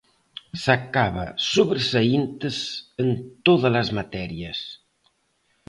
Sacaba sobresaíntes en todas as materias.